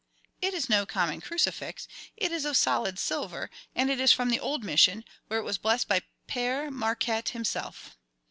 "It is no common crucifix. It is of solid silver, and it is from the old mission, where it was blessed by Père Marquette himself."